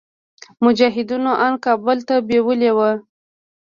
مجاهدينو ان کابل ته بيولي وو.